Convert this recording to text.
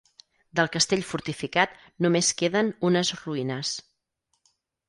Del castell fortificat només queden unes ruïnes.